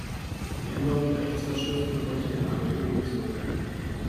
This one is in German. Die Änderung der Rechtsvorschriften könnte in Erwägung gezogen werden.